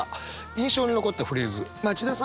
印象に残ったフレーズ町田さん